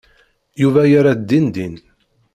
Yuba yerra-d dindin.